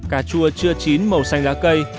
cà chua chưa chín màu xanh lá cây